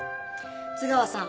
津川さん